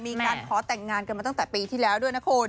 มีการขอแต่งงานกันมาตั้งแต่ปีที่แล้วด้วยนะคุณ